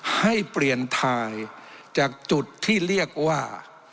ให้เปลี่ยนถ่ายจากจุดที่เรียกว่า